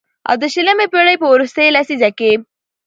او د شلمې پېړۍ په وروستۍ لسيزه کې